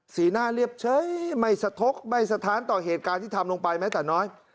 สีหน้าเรียบเฉยไม่สะทกไม่สะท้านต่อเหตุการณ์ที่ทำลงไปแม้แต่น้อย